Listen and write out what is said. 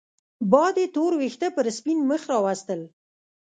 باد يې تور وېښته پر سپين مخ راوستل